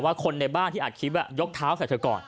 คนในบ้านที่อัดคลิปยกเท้าใส่เธอก่อน